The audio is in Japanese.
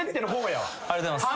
ありがとうございます。